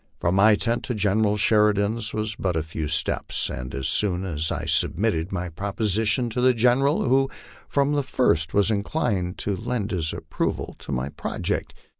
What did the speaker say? From my tent to General Sheridan's was but a few steps, and I soon submitted my proposition to the General, who 214 LIFE ON THE PLAINS. from the first was inclined to lend his approval to my project.